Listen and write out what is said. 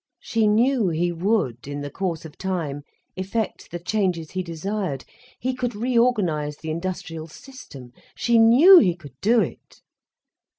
She knew he would, in the course of time, effect the changes he desired, he could re organise the industrial system. She knew he could do it.